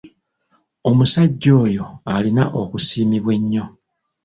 Omusajja oyo alina okusiimibwa ennyo.